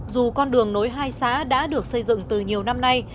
dù con đường nối hai xã đã được xây dựng từ nhiều năm nay